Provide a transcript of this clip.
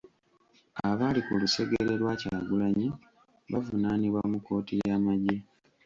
Abaali ku lusegere lwa Kyagulanyi bavunaanibwa mu kkooti y'amagye.